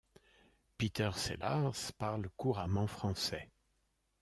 Peter Sellars parle couramment français.